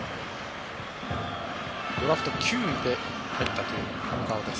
ドラフト９位で入ったという上川畑です。